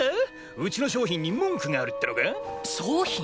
ウチの商品に文句があるってのか⁉商品？